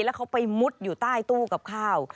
แล้วเขาไปมุดอยู่ใต้ตู้กับข้าว